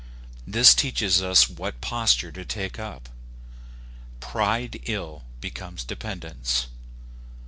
This teaches us what posture to take up. Pride ill becomes dependents.